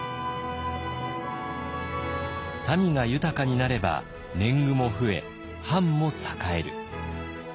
民が豊かになれば年貢も増え藩も栄える。